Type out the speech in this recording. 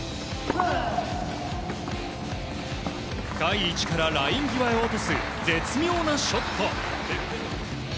深い位置からライン際へ落とす絶妙なショット。